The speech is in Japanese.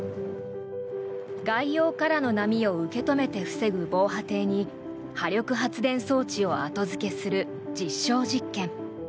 外洋からの波を受け止めて防ぐ防波堤に波力発電装置を後付けする実証実験。